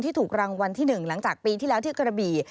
ถูกรางวัลที่๑หลังจากปีที่แล้วที่กระบี่